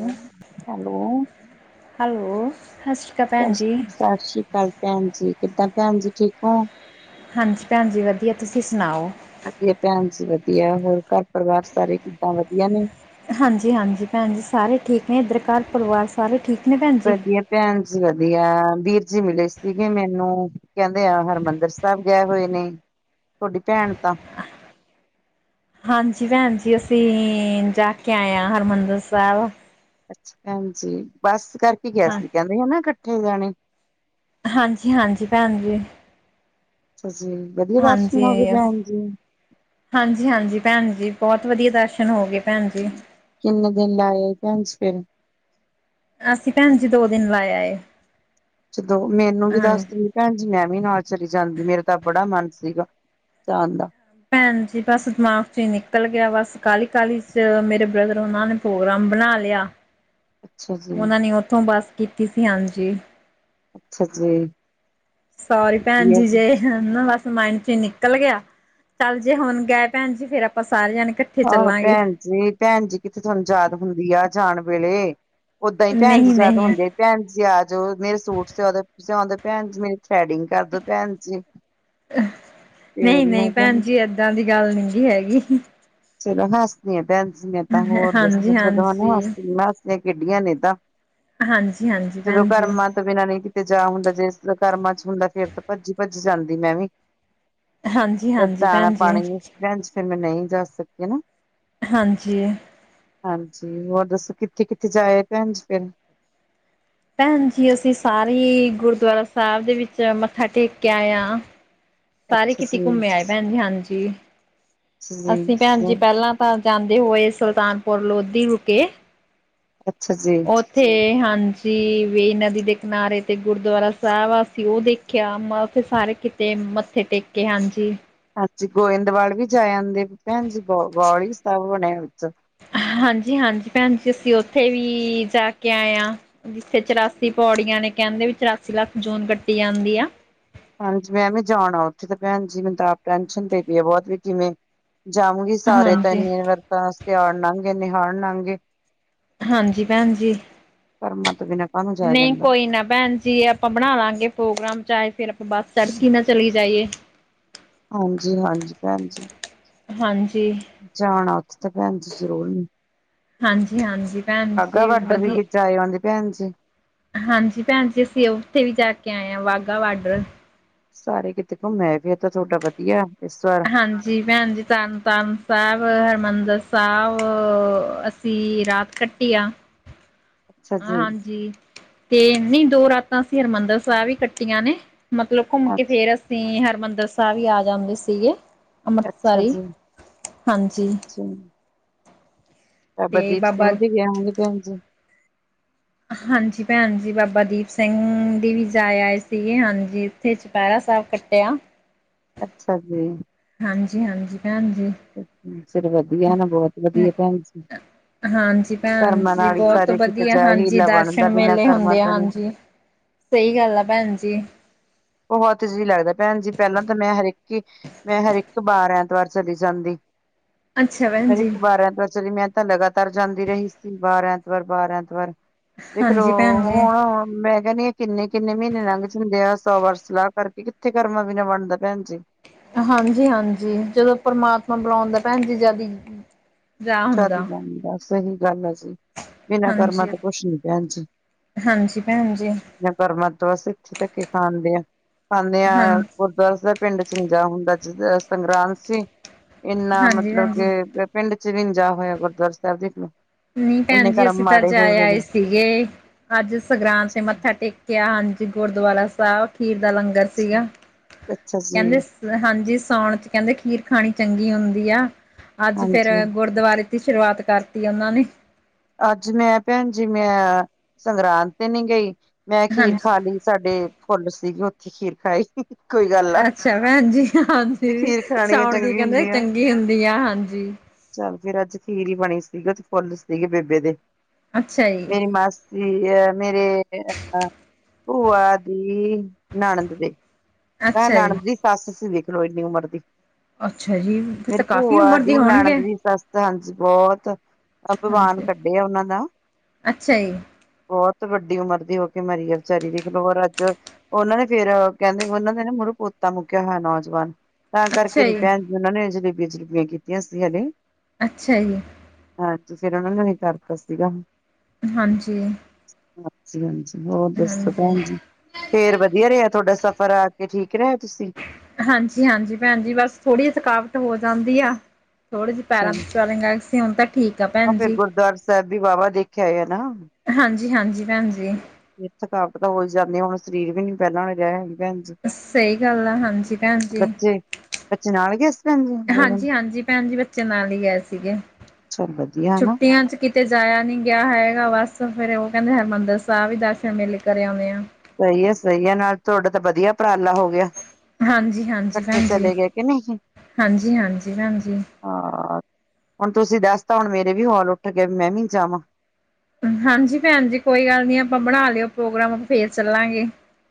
Hello, hello [unintelligible] ਸਤਿ ਸ੍ਰੀ ਅਕਾਲ ਪੈਣ ਜੀ, ਕਿੱਦਾਂ ਪੈਣ ਜੀ ਠੀਕ ਓ? ਹਾਂਜੀ, ਪੈਣ ਜੀ ਵਧੀਆਂ ਤੁਸੀਂ ਸੁਣਾਓ? ਵਧੀਆਂ ਪੈਣ ਜੀ ਵਧੀਆਂ ਹੋਰ ਕਰ ਪਰਿਵਾਰ ਸਾਰੇ ਕਿੱਦਾਂ ਵਧੀਆਂ ਨੇ ਹਾਂਜੀ-ਹਾਂਜੀ, ਪੈਣ ਜੀ ਸਾਰੇ ਠੀਕ ਨੇ ਇੱਧਰ ਕਰ ਪਰਿਵਾਰ ਸਾਰੇ ਠੀਕ ਨੇ ਪੈਣ ਜੀ। ਪੈਣ ਜੀ ਵਧੀਆਂ ਵੀਰ ਜੀ ਮਿਲੇ ਸੀਗੇ ਮੈਨੂੰ ਕਹਿੰਦੇ ਆ ਹਰਿਮੰਦਰ ਸਾਹਿਬ ਗਿਆ ਹੋਏ ਨੇ ਤੁਹਾਡੀ ਪੈਣ ਤਾਂ ਹਾਂਜੀ, ਪੈਣ ਜੀ ਅਸੀਂ ਜਾ ਕੇ ਆਏ ਹਾਂ ਹਰਿਮੰਦਰ ਸਾਬ। ਅੱਛਾ, ਪੈਣ ਜੀ ਬਸ ਕਰਕੇ ਗਿਆ ਹਾਂ ਸੀ ਕਹਿੰਦੇ ਹਨਾ ਕੱਠੇ ਜਾਣੇ ਹਾਂਜੀ-ਹਾਂਜੀ, ਪੈਣ ਜੀ। ਅੱਛਾ ਜੀ। ਵਧੀਆ ਹਾਂਜੀ, ਦਰਸ਼ਨ ਹੋ ਗਏ ਭੈਣ ਹਾਂਜੀ, ਹਾਂਜੀ, ਪੈਣ ਜੀ ਬਹੁਤ ਵਧੀਆਂ ਦਰਸ਼ਨ ਹੋ ਗਏ। ਭੈਣ ਜੀ ਕਿੰਨੇ ਦਿਨ ਲਾਏ ਪੈਣ ਜੀ ਫੇਰ ਅਸੀਂ ਪੈਣ ਜੀ ਦੋ ਦਿਨ ਲਾ ਆਏ ਏ। ਅੱਛਾ, ਦੋ ਮੈਨੂੰ ਵੀ ਦੱਸ ਦਿੰ ਪੈਣ ਜੀ ਮੈਂ ਵੀ ਨਾਲ਼ ਚਲੀ ਜਾਂਦੀ, ਮੇਰਾ ਤਾਂ ਬੜਾ ਮਨ ਸੀਗਾ ਜਾਣ ਦਾ। ਪੈਣ ਜੀ ਬਸ ਦਿਮਾਗ ਚ ਈ ਨਿਕਲ਼ ਗਿਆ ਬਸ ਕਾਹਲੀ ਕਾਹਲੀ ਚ ਮੇਰੇ ਬ੍ਰਦਰ ਹੁਣਾਂ ਨੇ ਪ੍ਰੋਗਰਾਮ ਬਣਾ ਲਿਆ। ਅੱਛਾ ਜੀ, ਉਹਨਾਂ ਨੇ ਉੱਥੋਂ ਬੱਸ ਕੀਤੀ ਸੀ, ਹਾਂਜੀ। ਅੱਛਾ ਜੀ, ਸੋਰੀ ਪੈਣ ਜੀ ਜੇ ਹੂਨ ਬਸ ਮਾਇਡ ਚ ਹੀ ਨਿਕਲ਼ ਗਿਆ ਚੱਲ ਜੇ ਹੁਨ ਗਏ ਪੈਣ ਜੀ ਫ਼ੇਰ ਆਪਾਂ ਸਾਰੇ ਜਾਣੇੇ ਕੱਠੇ ਆਹੋ ਪੈਣ ਜੀ ਪੈਣ ਜੀ ਕਿੱਥੇ ਥੋਨੂੰ ਯਾਦ ਹੁੰਦੀ ਆ ਜਾਨ ਵੇਲੇ ਓਦਾਂ ਈ ਪੈਣ ਜੀ ਨਹੀਂ ਯਾਦ ਨਹੀਂ ਹੋੰਦੇ ਆ ਪੈਣ ਜੀ ਆ ਜਾਓ ਮੇਰੇ ਸੂਟ ਸਿਆਉਂਦੇ ਸਿਆਉਂਦੇ ਪੈਣ ਜੀ ਮੇਰੇ ਥਰੈਡਿੰਗ ਕਰਦੋ ਪੈਣ ਜੀ ਫੇਰ ਨਹੀਂ ਹੀ ਹੈ ਨਹੀਂ ਭੈਣ ਪੈਣ ਜੀ ਏਦਾਂ ਦੀ ਗੱਲ ਨੀ ਗੀ ਹੈਗੀ। ਚਲੋ ਹੱਸਦੀਆਂ ਪੈਣ ਜੀ ਮੈਂ ਤਾਂ ਹੋਰ ਦੱਸੋ ਹਾਂਜੀ ਚਲੋ ਹੈਨਾ ਹਾਂਜੀ ਹੱਸੀਆਂ ਮੈ ਹੱਸੀਆਂ ਖੇਡੀਆਂ ਨੇ ਇਹ ਤਾਂ ਹਾਂਜੀ ਹਾਂਜੀ ਜਦੋਂ ਭੈਣ ਜੀ। ਕਰਮਾਂ ਤੋਂ ਬਿਨਾਂ ਨਹੀਂ ਕਿਤੇ ਜਾ ਹੁੰਦਾ ਜੇ ਕਰਮਾਂ ਚ ਹੁੰਦਾ ਫ਼ੇਰ ਤਾਂ ਭੱਜੀ-ਭੱਜੀ ਜਾਂਦੀ ਮੈਂ ਵੀ ਹਾਂਜੀ ਜੇ ਹਾਂਜੀ ਦਾਨਾ ਭੈਣ ਜੀ ਪਾਨੀ ਨੀ ਭੈਣ ਜੀ ਫ਼ਿਰ ਮੈਂ ਨਹੀਂ ਜਾ ਸਕਦੀ ਹੈਨਾ ਹਾਂਜੀ ਹਾਂਜੀ ਹੋਰ ਦੱਸੋ ਕਿੱਥੇ-ਕਿੱਥੇ ਜਾਏ ਆਏ ਪੈਣ ਜੀ ਫਿਰ ਪੈਣ ਜੀ ਅਸੀਂ ਸਾਰੇ ਈ ਗੁਰਦੁਆਰਾ ਸਾਹਿਬ ਦੇ ਵਿੱਚ ਮੱਥਾ ਟੇਕ ਕੇ ਆਏ ਆ ਸਾਰੇ ਅੱਛਾ ਕਿ ਕੀਤੀ ਜੀ, ਘੁੰਮੇ ਆਏ ਪੈਣ ਜੀ ਹਾਂਜੀ, ਅੱਛਾ ਜੀ, ਅਸੀਂ ਪੈਣ ਜੀ ਪਹਿਲਾਂ ਤਾਂ ਜਾਂਦੇ ਹੋਏ, ਸੁਲਤਾਨਪੁਰ ਲੋਧੀ ਰੁਕੇ ਅੱਛਾ ਜੀ ਉੱਥੇ ਹਾਂਜੀ ਵੇਈ ਨਦੀ ਦੇ ਕਿਨਾਰੇ ਤੇ ਗੁਰਦੁਆਰਾ ਸਾਹਿਬ ਆ ਅਸੀ ਉਹ ਦੇਖ ਖਿਆ, ਫਿਰ ਸਾਰੇ ਕਿਤੇ ਮੱਥੇ ਟੇਕੇ ਹਾਂਜੀ ਹਾਂਜੀ, ਗੋਇੰਦਵਾਲ ਵੀ ਜਾ ਆੰਦੇ ਪੈਣ ਜੀ ਬੌਲੀ ਸਾਹਿਬ ਬਣਿਆ ਵਿਚ ਹਾਂਜੀ ਹਾਂਜੀ ਪੈਣ ਜੀ, ਅਸੀਂ ਉੱਥੇ ਵੀ ਜਾ ਕੇ ਆਏ ਆ ਜਿੱਥੇ ਚੁਰਾਸੀ ਪੌੜੀਆਂ ਨੇ ਕਹਿੰਦੇ ਵੀ ਚੁਰਾਸੀ ਲੱਖ ਜੂਨ ਕੱਟੀ ਯਾੰਦੀ ਆ। ਹਾਂਜੀ, ਮੈਂ ਵੀ ਜਾਣਾ ਉੱਥੇ ਤੇ ਪੈਣ ਜ ਮੈਨੂੰ ਤਾਂ ਆਪ ਟੈਨਸ਼ਨ ਪਈ ਪਈ ਆ ਬਹੁਤ ਵੀ ਕਿਵੇਂ ਜਾਵਾਂਗੀ ਸਾਰੇ ਤਾਂ ਹਾਂਜੀ, ਇੰਨੇ ਵਰਤਾਂ ਤੇਆਰ ਲੰਗ ਗੇ ਨਿਹਾੜ ਲੰਗੇ। ਹਾਂਜੀ ਪੈਣ ਜੀ। ਕਰਮਾਂ ਤੋਂ ਬਿਨਾ ਨਹੀਂ ਕੋਈ ਨਾ ਪੈਣਜੀ ਜੇ ਆਪਾਂ ਬਨਾ ਲਾਗੇ ਪ੍ਰੋਗਰਾਮ ਚਾਹੇ ਫਿਰ ਆਪਾਂ ਬਸ ਤੜਕੀ ਨਾਲ ਚਲੀ ਜਾਈਏ। ਹਾਂਜੀ ਹਾਂਜੀ ਪੈਣ ਜੀ, ਹਾਂਜੀ। ਜਾਣਾ ਉੱਥੇ ਤਾ ਪੈਣ ਜੀ ਜ਼ਰੂਰ ਨੀ ਹਾਂਜੀ ਹਾਂਜੀ ਪੈਣ ਜੀ ਬਾਰਡਰ ਵਦੀਆ ਵੀ ਜਾਏ ਆਉਦੇ ਪੈਣ ਜੀ। ਹਾਂਜੀ ਪੈਣ ਜੀ, ਅਸੀਂ ਉੱਥੇ ਵੀ ਜਾ ਕੇ ਆਏ ਹਾਂ ਵਾਹਗਾ ਬਾਰਡਰ। ਸਾਰੇ ਕਿਤੇ ਘੁੰਮ ਆਏ ਫਿਰ ਤਾਂ ਤੁਹਾਡਾ ਵਦੀਆ ਇਸ ਵਾਰ। ਹਾਂਜੀ ਪੈਣ ਜੀ, ਤਰਨਤਾਰਨ ਸਾਹਿਬ ਹਰਮਿੰਦਰ ਸਾਹਿਬ। ਵੀ ਰਾਤ ਕੱਟੀ ਆ। ਅੱਛਾ ਜੀ। ਹਾਂਜੀ ਤੇ ਨਹੀਂ ਦੋ ਰਾਤਾਂ ਅਸੀਂ ਹਰਿਮੰਦਰ ਸਾਹਿਬ ਹੀ ਕੱਟੀਆਂ ਨੇ ਮਤਲਬ ਘੁੰਮ ਕੇ ਫਿਰ ਅਸੀਂ ਹਰਿਮੰਦਰ ਸਾਹਿਬ ਈ ਆ ਜਾਂਦੇ ਸੀਗੇ ਅੰਮ੍ਰਿਤਸਰ ਈ, ਹਾਂਜੀ। ਚੀ ਬਾਬਾ ਦੀਪ ਸਿੰਘ ਵੀ ਆਓਗੇ ਪੈਣ ਜੀ। ਹਾਂਜੀ ਪੈਣ ਜੀ, ਬਾਬਾ ਦੀਪ ਸਿੰਘ ਦੀ ਵੀ ਜਾਏ ਆਏ ਸੀਗੇ ਹਾਂਜੀ ਤੇ ਚੁਪਹਿਰਾ ਸਾਹਿਬ ਕੱਟਿਆ ਅੱਛਾ ਜੀ। ਹਾਂਜੀ ਹਾਂਜੀ ਪੈਣ ਜੀ, ਹਾਂਜੀ ਫਿਰ ਵਦੀਆ ਨਾ ਬਹੁਤ ਵਧੀਆ ਪੈਣ ਜੀ। ਹਾਂਜੀ ਪੈਣ ਕਰਮਾਂ ਜੀ ਨਾਲ ਹੀ ਬਹੁਤ ਸਾਰੇ ਕਿਤੇ ਵਦੀਆ, ਜਾ ਹਾਂਜੀ ਹੀਲਾ ਬਣਦਾ ਦਰਸ਼ਨ ਬਿਨਾਂ ਮੇਲੇ ਕਰਮਾਂ ਹੁੰਦੇ ਆ ਤੋਂ ਨੀ ਹਾਂਜੀ। ਸਹੀ ਗੱਲ ਆ, ਭੈਣ ਜੀ। ਬਹੁਤ ਜਿਹੀ ਲੱਗਦਾ ਭੈਣ ਜੀ, ਪਹਿਲਾਂ ਤਾਂ ਮੈਂ ਹਰੇਕ ਹੀ ਮੈਂ ਹਰ ਇੱਕ ਬਾਰ ਐਤਵਾਰ ਚਲੀ ਜਾਂਦੀ, ਅੱਛਾ ਭੈਣ ਹਰ ਜੀ, ਇੱਕ ਬਾਰ ਐਤਵਾਰ ਚਲੀ ਮੈਂ ਮੈ ਤਾਂ ਲਗਾਤਾਰ ਜਾਂਦੀ ਰਹੀ ਸੀ, ਬਾਰ ਐਤਵਾਰ- ਬਾਰ ਐਤਵਾਰ ਦੇਖਲੋ, ਹਾਂਜੀ ਭੈਣ ਜੀ। ਹੁਣ ਮੈਂ ਕਹਿਨੀ ਆ ਕਿੰਨੇ -ਕਿੰਨੇ ਮਹੀਨੇ ਲੰਘ ਜਾਂਦੇ ਆ, ਸੌ ਵਾਰ ਸਲਾਹ ਕਰਕੇ ਕਿੱਥੇ ਕਰਮਾ ਬਿਨਾ, ਬਣਦਾ ਭੈਣ ਜੀ ਹਾਂਜੀ- ਹਾਂਜੀ ਜਦੋਂ ਪਰਮਾਤਮਾ ਬੁਲਾਉਦਾ ਭੈਣ ਜ ਜਦੀ ਚੱਲ ਹੀ ਜਾਂਦਾ, ਪੈਸੇ ਦੀ ਗੱਲ ਹੈ ਜੀ। ਬਿਨਾਂ ਕਰਮਾ ਤੇ, ਹਾਂਜੀ-ਹਾਂਜੀ ਕੁਛ ਨੀ ਭੈਣ ਜੀ। ਭੈਣ ਜੀ, ਬਿਨਾਂ ਕਰਮਾਂ ਤੋਂ ਅਸੀਂ ਧਕੇ ਖਾਂਦੇ ਆ ਖਾਂਨੇ ਹਾਂ ਆ ਖੁਦ। ਵੈਸੇ ਪਿੰਡ ਚੱ ਨਈ ਜਾ ਹੁੰਦਾ, ਜਿਸ ਦਿਨ ਸੰਗਰਾਂਦ ਸੀ। ਇੰਨਾ ਹਾਂਜੀ ਮਤਲਬ ਭੈਣ ਜੀ, ਕੇ ਪਿੰਡ ਚ ਵਿੱਚ ਨਈ ਜਾ ਹੋਇਆ, ਗੁਰਦੁਆਰਾ ਸਾਹਿਬ ਦੇਖ ਲਓ। ਨਹੀਂ ਭੈਣ ਇੰਨੇ ਜੀ, ਕਰਮ ਅਸੀਂ ਤਾਂ ਮਾੜੇ ਅੱਜ ਹੋਏ ਆਏ- ਹੋਏ ਆਏ ਸੀਗੇ, ਅੱਜ ਸੰਗਰਾਂਦ ਤੇ ਮੱਥਾ ਨੇ ਟੇਕ ਕਿਆ ਹਾਂਜੀ, ਗੁਰਦੁਆਰਾ ਸਾਹਿਬ ਖੀਰ ਦਾ ਲੰਗਰ ਸੀਗਾ, ਅੱਛਾ ਜੀ ਕਹਿੰਦੇ ਹਾਂਜੀ ਸਾਉਣ ਚ ਕਹਿੰਦੇ, ਖੀਰ ਖਾਣੀ ਚੰਗੀ ਹੁੰਦੀ ਆ, ਅੱਜ ਫਿਰ ਹਾਂਜੀ ਗੁਰ ਗੁਰਦੁਆਰੇ ਦੀ ਸ਼ੁਰੂਆਤ, ਕਰਤੀ ਉਹਨਾਂ ਨੇ ਅੱਜ ਮੈਂ ਭੈਣ ਜੀ, ਮੈਂ ਸੰਗਰਾਂਦ ਤੇ ਨਈ ਗਈ, ਮੈਂ ਖੀਰ ਹਾਂਜੀ। ਖਾ ਲਈ ਸਾਡੇ ਫੁੱਲ ਸੀਗੇ, ਉੱਥੇ ਖੀਰ ਖਾ ਆਈ ਅੱਛਾ ਭੈਣਜੀ ਹਾਂਜੀ, ਜੇ ਖੀਰ ਖਾਣੀ ਸਾਉਣ ਦੀ ਚੰਗੀ ਕਹਿੰਦੇ ਹੁੰਦੀ ਆ ਚੰਗੀ ਹੁੰਦੀ ਆ। ਹਾਂਜੀ ਚੱਲ ਫਿਰ ਅੱਜ ਖੀਰ ਬਣੀ ਸੀਗੀ, ਤੇ ਫੁੱਲ ਸੀਗੇ ਬੇਬੇ ਦੇ ਅੱਛਾ ਜੀ ਮੇਰੀ ਮਾਸੀ ਅ ਮੇਰੇ ਅਹ ਭੂਆ ਦੀ ਨਨੰਦ ਦੇ ਮੈਂ ਅੱਛਾ ਜੀ। ਨਨੰਦ ਦੀ ਸੱਸ ਸੀਂ, ਵੇਖ ਲੋ ਇੰਨੀ ਉਮਰ ਦੀ ਅੱਛਾ ਜੀ ਫਿਰ ਮੇਰੀ ਤਾਂ ਕਾਫ਼ੀ ਭੂਆ ਉਮਰ ਦੀ, ਦੇ ਹੋਣਗੇ ਨਨੰਦ ਦੀ ਸੱਸ, ਤਾਂ ਬਹੁਤ ਅੰਭਵਾਨ ਹਾਂਜੀ ਕੱਢਿਆ, ਉਹਨਾਂ ਦਾ ਅੱਛਾ ਜੀ ਬਹੁਤ ਵੱਡੀ ਉਮਰ ਦੀ ਹੋ ਕੇ, ਮਰੀ ਆ ਵਿਚਾਰੀ ਦੇਖ ਲਓ, ਔਰ ਅੱਜ ਉਹਨਾਂ ਨੇ ਫਿਰ ਕਹਿੰਦੇ ਉਹਨਾਂ ਕਹਿਦੇ ਮੇਰਾ ਪੋਤਾ ਨੂੰ ਮੁੱਕਿਆ ਹੋਇਆ ਨੌਜਵਾਨ, ਤਾਂ ਕਰਕੇ ਅੱਛਾ ਨੀ ਜੀ ਪੈਣ ਮੈਨੂੰ ਏਨਾਂ ਨੇ ਜਲੇਬੀਆਂ-ਜਲੂਬੀਆਂ ਦਿਤੀਆਂ ਸੀ। ਹਲੇੇ ਅੱਛਾ ਜੀ। ਹਾਂਜੀ, ਫਿਰ ਉਹਨਾ ਨੂੰ ਵੀ ਕਰਤਾ ਸੀਗਾ। ਹਾਂਜੀ ਹ ਹਾਂਜੀ, ਹੋਰ ਦੱਸੋ ਹਾਂਜੀ ਭੈਣ ਜੀ? ਫੇਰ ਵਧੀਆ ਰਿਹਾ ਤੋਡਾ ਸਫ਼ਰ ਤੇ ਠੀਕ ਰਹੇ ਤੁਸੀਂ? ਹਾਂਜੀ-ਹਾਂਜੀ ਭੈਣ ਜੀ, ਬਸ ਥੋੜੀ ਥਕਾਵਟ ਹੋ ਜਾਂਦੀ ਆ ਥੋੜੇ ਜਿਹੇ ਪੈਰਾਂ ਅੱਛਾ ਦੀ ਸਵੇਲਇੰਗ ਆ ਗੀ ਸੀ, ਹੁਣ ਤਾਂ ਠੀਕ ਆ ਹਾਂ ਭੈਣ ਫੇਰ ਜੀ ਗੁਰਦੁਆਰਾ ਸਾਹਿਬ ਵੀ ਵਾਹਵਾ ਦੇਖਿਆ ਹੈ ਨਾ। ਹਾਂਜੀ-ਹਾਂਜੀ ਭੈਣ ਜੀ ਥਕਾਵਟ ਤਾਂ ਹੋਈ ਜਾਂਦੀ ਆ, ਹੁਣ ਸਰੀਰ ਵੀ ਨੀ ਪਹਿਲਾਂ ਜਿਹੇ ਸਹੀ ਗੱਲ ਆ, ਹਾਂਜੀ ਭੈਣ ਜੀ ਬੱਚੇ ਬੱਚੇ, ਨਾਲ ਗਏ ਸੀ ਭੈਣ ਜੀ ਦੋ ਦਿਨ ਹਾਂਜੀ-ਹਾਂਜੀ ਭੈਣ ਜੀ, ਬੱਚੇ ਨਾਲ ਹੀ ਗਏ ਸੀਗੇ। ਚਲ ਵਧੀਆ ਹਨਾ ਛੁੱਟੀਆਂ ਚ ਕਿਤੇ ਜਾਇਆ ਨੀ ਗਿਆ ਹੈਗਾ, ਬਸ ਫਿਰ ਉਹ ਕਹਿੰਦੇ ਹਰਿਮੰਦਰ ਸਾਹਿਬ ਹੀ ਦਰਸ਼ਨ ਮੇਲੇ, ਕਰ ਆਉਂਨੇ ਆ ਸਹੀ ਹੈ -ਸਹੀ ਹੈ ਨਾਲ ਤੁਹਾਡਾ ਤਾਂ ਵਧੀਆ, ਉਪਰਾਲਾ ਹੋ ਗਿਆ ਹਾਂਜੀ-ਹਾਂਜੀ ਇਕੱਠੇ ਭੈਣ ਜੀ, ਚਲੇ ਗਏ ਕਿ ਨਹੀਂ ਹਾਂਜੀ-ਹਾਂਜੀ ਭੈਣ ਜੀ ਹਾਂ ਹੁਣ ਤੁਸੀਂ ਦੱਸ ਤਾਂ, ਹੁਣ ਮੇਰੇ ਵੀ ਹੌਲ ਉੱਠ ਗਏ ਮੈਂ ਵੀ ਜਾਵਾਂ ਹਾਂਜੀ ਭੈਣ ਜੀ, ਕੋਈ ਗੱਲ ਨਈ ਆਪਾਂ ਬਣਾ ਲਿਓ ਪ੍ਰੋਗਰਾਮ, ਆਪਾਂ ਫੇਰ ਚੱਲਾਂਗੇ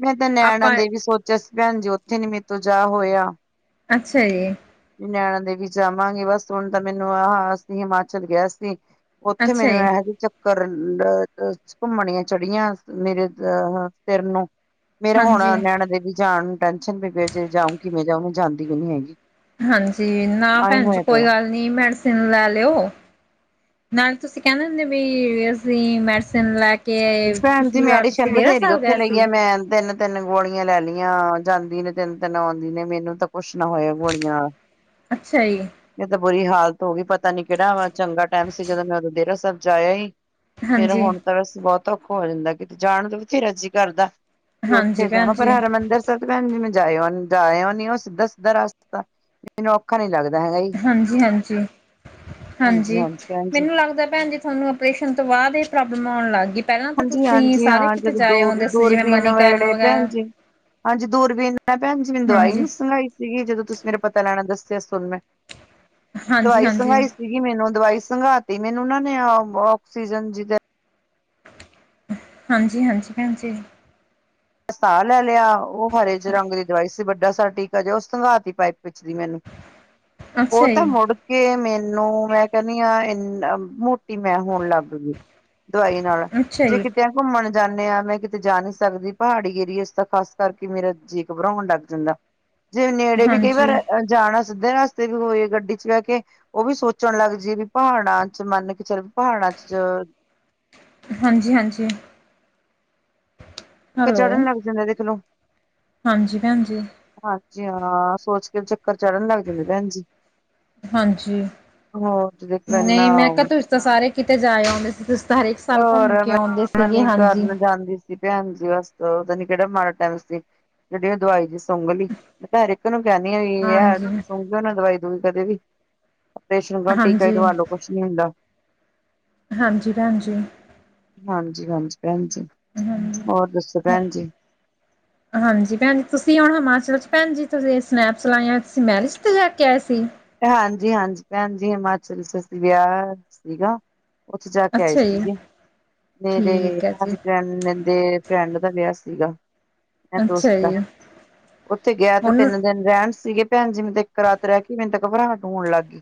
ਮੈਂ ਤਾਂ ਨੈਣਾ ਆਪਾਂ ਦੇਵੀ ਸੋਚਿਆ ਸੀ ਭੈਣ ਜੀ ਉੱਥੇ ਨੀ ਮੇਰੇ ਤੋਂ ਜਾ ਹੋਇਆ। ਅੱਛਾ ਜੀ। ਨੈਣਾਂ ਦੇਵੀ ਜਾਵਾਂਗੇ ਬਸ ਹੁਣ ਤਾਂ ਮੈਨੂੰ ਆਹ ਅਸੀਂ ਹਿਮਾਚਲ ਗਿਆ ਸੀ। ਉਥੇ ਅੱਛਾ ਮੈਰੇ ਜੀ ਏ ਹੈ ਵੀ ਚਲ- ਕਰਨ, ਅ ਘੁੰਮਣੀਆਂ ਚੜੀਆਂ ਮੇਰੇ ਅਹ ਸਿਰ ਨੂੰ ਨਾ। ਮੇਰਾ ਹੁਣ ਹਾਂਜੀ। ਨੈਨਾ ਦੇਵੀ ਜਾਣ ਨੂੰ ਟੈਸ਼ਨ ਨੇ ਜੇ ਜਾਓ ਕਿਵੇਂ ਜਾਓ ਮੈਂ ਜਾਂਦੀ ਵੀ ਨੀ ਹੈਗੀ। ਹਾਂਜੀ ਨਾ ਆਹੀ ਭੈਣ ਜੀ ਹੋਇਆ ਕੋਈ ਪਿਆ ਗੱਲ ਨੀ ਮੈਡੀਸਿਨ ਲੈ ਲਿਓ। ਨਾਲ ਤੁਸੀਂ ਕਹਿੰਦੇ ਹੁੰਦੇ ਵੀ ਅਸੀਂ ਮੈਡੀਸਨ ਲੈ ਕੇ ਭੈਣ ਜੀ ਪਿਛਲੀ ਵਾਰ ਤੁਸੀਂ ਮੈਡੀਸ਼ਨ ਡੇਰਾ ਬਥੇਰੀ ਸਾਹਿਬ ਉੱਥੇ ਗਏ ਲਈ ਸੀ। ਆ ਮੈਂ ਤਿੰਨ ਤਿੰਨ ਗੋਲੀਆਂ ਲੈ ਲਈਆਂ ਜਾਂਦੀ ਨੇ ਤਿੰਨ-ਤਿੰਨ ਆਉਂਦੀ ਨੇ। ਮੈਨੂੰ ਤਾਂ ਕੁੱਛ ਨਾ ਹੋਇਆ ਗੋਲੀਆਂ ਨਾਲ। ਅੱਛਾ ਜੀ। ਇਹ ਤਾਂ ਬੁਰੀ ਹਾਲਤ ਹੋ ਗਈ ਪਤਾ ਨੀ ਕਿਹੜਾ ਚੰਗਾ ਟਾਈਮ ਸੀ, ਜਦੋਂ ਮੈਂ ਉਦੋਂ ਡੇਰਾ ਸਾਹਿਬ ਜਾ ਆਏ ਈ। ਮੇਰਾ ਹਾਂਜੀ, ਹੁਣ ਤਾਂ ਵੈਸੇ ਬਹੁਤ ਔਖਾ ਹੋ ਜਾਂਦਾ ਕਿਤੇ ਜਾਣ ਤੋਂ ਬਥੇਰਾ ਜੀ ਕਰਦਾ। ਉੱਥੇ ਹਾਂਜੀ ਜਾਣਾ ਭੈਣ ਪਰ ਜੀ, ਹਰਿਮੰਦਰ। ਭੈਣ ਜੀ ਮੈਂ ਜਾਇ ਜਾਇਓ ਆਉਨੀ ਆ। ਉਹ ਸਿੱਧਾ-ਸਿੱਧਾ ਰਾਸਤਾ ਮੈਨੂੰ ਔਖਾ ਨੀ ਲੱਗਦਾ ਹੈਗਾ ਹੀ। ਹਾਂਜੀ- ਹਾਂਜੀ, ਹਾਂਜੀ ਭੈਣ ਜੀ ਮੈਨੂੰ ਲਗਦਾ ਭੈਣਜੀ- ਤੁਹਾਨੂੰ ਆਪਰੇਸ਼ਨ ਤੋਂ ਬਾਅਦ ਇਹ ਪ੍ਰੋਬਲਮ ਆਉਣ ਲੱਗ ਗੀ। ਹਾਂਜੀ-ਹਾਂਜੀ ਹਾਂ ਜਦੋਂ ਦੂਰ ਸੀ ਜਿਵੇਂ ਦੂਰਬੀਨ ਨਾ ਹੋਏ ਮਨੀਕਰਨ ਨੇ ਭੈਣ ਵਗੈਰਾ ਜੀ। ਹਾਂਜੀ, ਦੂਰਬੀਨ ਨਾਲ ਭੈਣ ਜੀ ਮੈਨੂੰ ਦਵਾਈ ਹਾਂਜੀ, ਨੀ ਸੰਗਾਈ। ਸੀਗੀ ਜਦੋਂ ਤੁਸੀਂ ਮੇਰਾ ਪਤਾ ਲੈਣਾ ਆਂਦੇ ਸੀ ਹੋਸਪੀਨੇ, ਹਾਂਜੀ, ਦਵਾਈ ਹਾਂਜੀ। ਸੁਗਾਈ। ਸੀਗੀ ਮੈਨੂੰ ਦਵਾਈ ਸੰਘਾਤੀ ਮੈਨੂੰ ਉਹਨਾਂ ਨੇ ਆਕਸੀਜਨ ਜਿਦਾ ਹਾਂਜੀ-ਹਾਂਜੀ ਭੈਣ ਜੀ। ਸਾਹ ਲੈ ਲਿਆ ਉਹ ਹਰੇ ਜੇ ਰੰਗ ਦੀ ਦਵਾਈ ਸੀ ਵੱਡਾ ਸਾ ਟੀਕਾ ਜਿ ਉਸ ਸੰਘਾ ਤੀ ਪਾਈਪ ਵਿੱਚ ਦੀ ਮੈਨੂੰ। [inaudible] ਓ ਤਾਂ ਜੀ, ਮੁੋੜ ਕਿ ਮੈਨੂੰ ਮੈਂ ਕਹਿੰਦੀ ਆਂ ਇ ਮੋਟੀ ਮੈਂ ਹੋਣ ਲੱਗ ਗਈ। ਦਵਾਈ ਨਾਲੋ ਅੱਛਾ ਜੇ ਜੀ, ਕਿਤੇ ਘੁੰਮਣ ਜਾਂਦੇ ਹਾਂ ਮੈਂ ਕਿਤੇ ਜਾ ਨਹੀਂ ਸਕਦੀ। ਪਹਾੜੀ ਏਰੀਏ ਦਾ ਖਾਸ ਕਰਕੇ ਮੇਰਾ ਜੀ ਘਬਰਾਉਣ ਲੱਗ ਜਾਂਦਾ ਜੇ ਨੇੜੇ ਵੀ ਕਈ ਵਾਰ ਹਾਂਜੀ। ਜਾਣਾ ਸਿੱਧੇ ਰਸਤੇ ਵੀ ਹੋਏ ਗੱਡੀ ਚ ਬਹਿ ਕੇ ਉਹ ਵੀ ਸੋਚਣ ਲੱਗ ਜਾਈਏ ਵੀ ਪਹਾੜਾਂ 'ਚ ਮੰਨ ਕੇ ਚੱਲ ਪਹਾੜਾਂ 'ਚੋ। ਹਾਂਜੀ-ਹਾਂਜੀ। ਕੀ ਹੈਲੋ, ਚੜਨ ਲੱਗ ਜਾਂਦੇ ਕਿਤਨਾ। ਹਾਂਜੀ, ਭੈਣ ਜੀ। ਹਾਂਜੀ, ਹਾਂ ਸੋਚ ਕੇ ਚੱਕਰ ਚੜਨ ਲੱਗ ਜਾਂਦੇ ਭੈਣ ਜੀ। ਹਾਂਜੀ, ਹੋਰ ਦੇਖ ਲੋ ਨਹੀਂ ਮੈਂ ਇੰਨਾ ਕਿਹਾ ਤੁਸੀਂ ਤਾਂ ਸਾਰੇ ਕਿਤੇ ਜਾਏ ਆਉਂਦੇ ਸੀ ਤੁ ਤਾਂ ਹਰੇਕ ਸਾਲ ਹੋਰ ਘੁੰਮ ਕੇ ਮੈਂ ਆਉਂਦੇ ਸੀਗੇ ਮਨੀ ਹਾਂਜੀ। ਕਰਨ ਜਾਂਦੀ ਸੀ ਭੈਣ ਜੀ, ਬਸਓਦਾ ਨੀ ਕਿਹੜਾ ਮਾੜਾ ਟੈਮ ਸੀ ਕਿਹੜੀ ਉਹ ਦਵਾਈ ਜ ਸੁੰਘਲੀ ਮੈਂ ਹਰ ਇੱਕ ਨੂੰ ਕਹਿਨੀ ਹੋ ਆ ਹਾਂਜੀ, ਸੁੰਗਿਓ ਨਾ ਦਵਾਈ ਦੂਈ ਕਦੇ ਵੀ। ਪ੍ਰਰੇਸ਼ਨ ਦਾ ਟੀਕਾ ਹੀ ਹਾਂਜੀ, ਲਵਾ ਲਓ ਕੁੱਛ ਨੀ ਹੁੰਦਾ। ਹਾਂਜੀ, ਭੈਣ ਜੀ। ਹਾਂਜੀ- ਹਾਂਜੀ ਭੈਣ ਜੀ, ਹਾਂਜੀ। ਹੋਰ ਦੱਸੋ ਭੈਣ ਜੀ? [inaudible] ਹਾਂਜੀ ਭੈਣ ਜੀ, ਤੁਸੀਂ ਹੁਣ ਹਿਮਾਚਲ 'ਚ ਭੈਣ ਜੀ ਤੁਸੀਂ ਸਨੈਪਸਲਾ ਜਾਂ ਤੁਸੀਂ ਮੈਰਿਜ 'ਤੇ ਜਾ ਕੇ ਆਏ ਸੀ। ਹਾਂਜੀ-ਹਾਂਜੀ ਭੈਣ ਜੀ, ਹਿਮਾਚਲ 'ਚ ਅਸੀਂ ਵਿਆਹ ਸੀਗਾ। ਉੱਥੇ ਜਾ ਕੇ ਆਈ ਅੱਛਾ ਜੀ ਸੀਗੇ, ਮੇਰੇ ਠੀਕ ਹੈ ਜੀ ਹਸਬੈਂਡ। ਨੇ ਦੇ ਫਰੈਂਡ ਦਾ ਵਿਆਹ ਸੀਗਾ। ਮ ਅੱਛਾ ਦੋਸਤ ਦਾ, ਜੀ ਉਥੇ ਗਿਆ ਤਾਂ ਹੁਣ ਤਿੰਨ ਦਿਨ ਰੈਂਨ ਸੀਗੇ ਪੈਣ ਜੀ ਵੇ ਤੇ ਏਕ ਰਾਤ ਰੈ ਕੇ ਕਿ ਮੈਨੂੰ ਤਾਂ ਬਰਾਹਟ ਹੋਣ ਲੱਗ ਗਈ,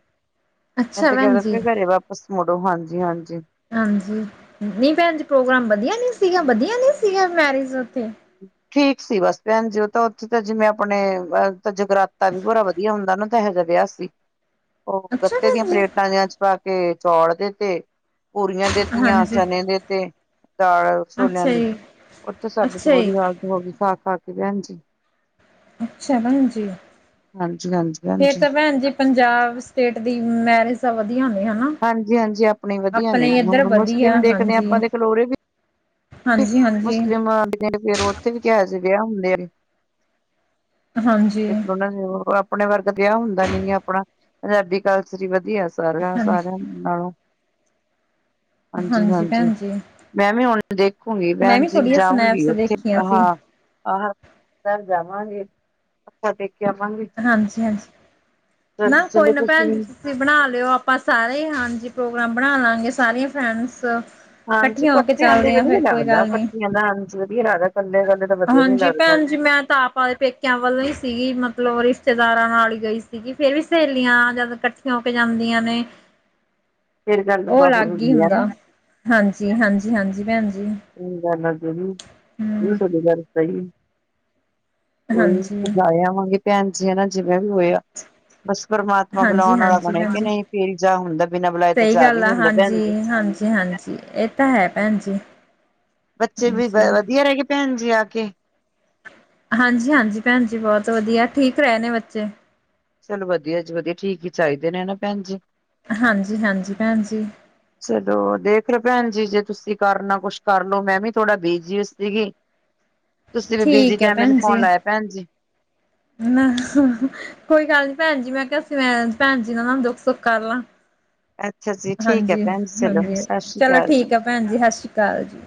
ਮੈ ਅੱਛਾ ਤਾਂ ਕੈਂਨ ਭੈਣ ਜੀ ਲਗੀ ਕਰੇ ਵਾਪਿਸ ਮੁੜੋ ਹਾਂਜੀ-ਹਾਂਜੀ। ਹਾਂਜੀ, ਨਈ ਪੈਨ ਜੀ ਪ੍ਰੋਗਰਾਮ ਵਧੀਆ ਨੀ ਸੀਗਾ-ਵਧੀਆ ਨੀ ਸੀਗਾ ਮੈਰਿਜ ਓਥੇ ਠੀਕ ਸੀ ਬਸ ਪੈਨ ਜੀ ਓਹ ਤਾਂ ਓਥੇ ਤਾਂ ਜਿਵੇਂ ਆਪਣੇ ਜਗਰਾਤਾ ਵੀ ਭੋਰਾ ਵਧੀ ਇਹ ਹੁੰਦਾ ਨਾ ਤਾਂ ਇਹੋ ਜਿਹਾ ਵਿਹਾ ਸੀ। ਓ ਅੱਛਾ ਗੱਤੇ ਦੀਆਂ ਭੈਣ ਜੀ ਪਲੇਟਾਂ 'ਚ ਪਾ ਕੇ ਚੌਲ ਦੇ ਤੇ, ਪੂਰੀਆਂ ਦਿੱਤੀਆਂ ਹਾਂਜੀ ਚਨੇ ਦੇ ਤੇ ਦਾਲ ਛੋਲਿਆਂ ਅੱਛਾ ਦੀ ਜੀ ਓਥੇ ਸਾਡੇ ਅੱਛਾ ਜੀ ਹੋਗੀ ਖਾ-ਖਾ ਕਪੈਨ ਜੀ ਅੱਛਾ ਪੈਨ ਜੀ, ਹਾਂਜੀ ਹਾਂਜੀ ਫਿਰ ਹਾਂਜੀ ਤਾਂ ਪੈਨਜੀ। ਪੰਜਾਬ ਸਟੇਟ ਦੀ ਮੈਰਿਜ ਤਾਂ ਵਧੀਆ ਹੁੰਦੀ ਆ ਹੈਨਾ। ਹਾਂਜੀ-ਹਾਂਜੀ, ਆਪਣੇ ਵਧੀਆ ਨੇ ਹੁਣ ਵਧੀਆ ਮੁਸਲਿਮ ਦੇਖਦੇ ਹਾਂ ਹਾਂਜੀ, ਆਪਾਂ ਦੇਖ ਓਰੇ ਵੀ ਹਾਂਜੀ, [unintelligible] ਹਾਂਜੀ, ਮੁਸਲਿਮਾ ਫੇਰ-ਫੇਰ ਓਥੇ ਵੀ ਕੈਹਾ ਸੀੇ ਵਿਆਹ ਹੁੰਦੇ ਆ ਹਾਂਜੀ। ਤੇ ਫਿਰ ਓਨਾਂ ਆਪਣੇ ਵਰਗਾ ਵਿਆਹ ਹੁੰਦਾ ਨੀ ਆਪਣਾ ਪੰਜਾਬੀ ਕਲਚਰ ਈ ਵਧੀਆ ਸਾਰਾ ਹਾਂਜੀ, ਸਾਰਿਆਂ ਨਾਲੋਂ ਹਾਂਜੀ ਪੈਨ ਜੀ। ਮੈਂ ਵੀ ਹੁਣ ਦੇਖੂਗੀ ਮੈਂ ਪੈਨ ਵੀ ਜੀ ਥੋੜੀਆਂ ਜਾਊਂਗੀ ਸਨੈਪਸ ਓਥੇ ਦੇਖੀਆਂ ਸੀ। ਹਾਂ ਆਹਾ, ਕੱਲ ਜਾਵਾਂਗੇ। ਮੱਥਾ ਟੇਕ ਕੇ ਆਵਾਂਗੇ, ਹਾਂਜੀ, ਹਾਂਜੀ ਚਲ ਨਾ ਕੋਈ ਚਲੀਏ ਨਾ ਤੁਸੀਂ ਭੈਣ ਜੀ ਵੀ ਤੁਸੀਂ ਬਣਾ ਲਿਓ ਆਪਾਂ ਸਾਰੇ ਹਾਂਜੀ ਪ੍ਰੋਗਰਾਮ ਬਣਾ ਲਾਂਗੇ ਸਾਰੀਆਂ ਫਰੈਂਡਸ ਹਾਂਜੀ ਇਕੱਠੀਆਂ ਹੋ ਕੇ ਕੱਠਿਆਂ ਦਾ ਚੱਲਦੇ ਆ ਵਧੀਆਂ ਫੇਰ ਕੋਈ ਲੱਗਦਾ ਗੱਲ ਨੀ। ਕੱਠੀਆਂ ਦਾ ਹਾਂਜੀ ਵਧੀਆਂ ਲੱਗਦਾ ਕੱਲੇ ਕੱਲੇ ਹਾਂਜੀ ਪੈਨ ਜੀ ਮੈਂ ਤਾਂ ਆਪ ਪੇਕਿਆਂ ਵੱਲੋਂ ਹੀ ਸੀਗੀ ਮਤਲਬ ਰਿਸ਼ਤੇਦਾਰਾਂ ਨਾਲ਼ ਈ ਗਈ ਸੀਗੀ ਫ਼ੇਰ ਵੀ ਸਹੇਲੀਆਂ ਜਦ ਕੱਠ ਠੀਆਂ ਹੋ ਕੇ ਜਾਂਦੀਆਂ ਨੇ, ਫੇਰ ਗੱਲ ਓ ਹੋਰ ਲੱਗ ਹੀ ਹੁੰਦੀ ਆ ਹੁੰਦਾ ਹਾਂਜੀ-ਹਾਂਜੀ-ਹਾਂਜੀ ਪੈਨ ਜੀ। ਹਮ [inaudible] ਕੋਈ ਹਾਂਜੀ ਨੀ ਜਾਏ ਆਵਾਂਗੇ ਪੈਨ ਜੀ ਹੈਨਾ ਜਿਵੇਂ ਵੀ ਹੋਯਾ [inaudible] ਬਣੇ ਕਿ ਹਾਂਜੀ-ਹਾਂਜੀ-ਹਾਂਜੀ, ਨਹੀਂ ਫੇਰ ਜਾ ਹੁੰਦਾ ਬਿਨਾਂ ਬੁਲਾਏ ਤਾਂ ਸਈ ਜਾ ਵੀ ਗੱਲ ਨੀ ਆ ਹੁੰਦਾ ਭੈਣ ਜੀ। ਹਾਂਜੀ-ਹਾਂਜੀ-ਹਾਂਜੀ। ਏ ਤਾਂ ਹੈਂ ਪੈਨ ਜੀ। ਬੱਚੇ ਵੀ ਹਾਂਜੀ ਗਏ ਵਧੀਆਂ ਰੈ ਗਏ ਪੈਨ ਜੀ ਆ ਕੇ। ਹਾਂਜੀ-ਹਾਂਜੀ ਪੈਨ ਜੀ ਬੋਤ ਵਧੀਆਂ ਠੀਕ ਰਏ ਨੇ ਬੱਚੇ। ਚਲੋ ਵਧੀਆਂ ਜੀ ਵਧੀਆਂ ਠੀਕ ਈ ਚਾਈਦੇ ਨੇ ਹੈਨਾ ਪੈਨ ਜੀ। ਹਾਂਜੀ-ਹਾਂਜੀ ਪੈਣ ਜੀ‌‌। ਚਲੋ ਦੇਖ ਲੋ ਪੈਣ ਜੀ ਜੇ ਤੁਸੀਂ ਕਰਨਾ ਕੁਛ ਕਰ ਲਓ ਮੈਂ ਵੀ ਥੋੜ੍ਹਾ ਬਿਜ਼ੀ ਓ ਸੀਗੀ ਤੁਸੀਂ ਵੀ ਬਿਜ਼ੀ ਠੀਕ ਹੈ ਟੈਮ ਮੈਨੂੰ ਭੈਣ ਜੀ ਫ਼ੋਨ ਲਾਇਆ ਪੈਣ ਜੀ। ਨਾ ਕੋਈ ਗੱਲ ਨੀ ਪੈਣ ਜੀ ਮੈਂ ਕੈਆ ਸੀ ਮੈਂ ਪੈਣ ਜੀ ਨਾਲ ਦੁੱਖ-ਸੁੱਖ ਕਰ ਲਾਂ ਅੱਛਾ ਜੀ ਠੀਕ ਹੈ ਭੈਣ ਜੀ ਚਲੋ ਹਾਂਜੀ-ਹਾਂਜੀ ਸਤਿ ਸ੍ਰੀ ਚਲੋ ਅਕਾਲ ਠੀਕ ਆ ਪੈਣ ਜੀ ਹਾਸ਼ੀ ਕਾਲ ਜੀ।